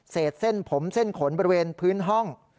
เส้นผมเส้นขนบริเวณพื้นห้อง